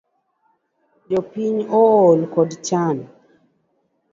Jopiny ohol kod chan